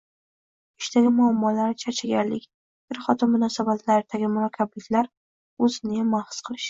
ishdagi muammolar, charchaganlik, er-xotin munosabatlaridagi murakkabliklar, o‘zini yomon his qilish.